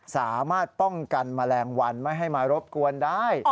สามารถป้องกันแมลงวันไม่ให้มารบกวนได้